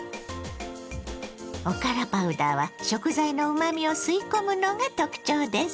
おからパウダーは食材のうまみを吸い込むのが特徴です。